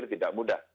itu tidak mudah